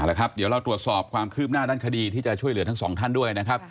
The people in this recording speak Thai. แล้วครับเดี๋ยวเราตรวจสอบความคืบหน้าด้านคดีที่จะช่วยเหลือทั้งสองท่านด้วยนะครับ